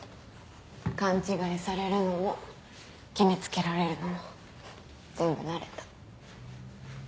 勘違いされるのも決め付けられるのも全部慣れた。